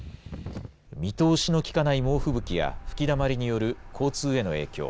見通しのきかない猛吹雪や吹きだまりによる交通への影響